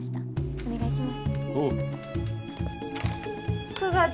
お願いします。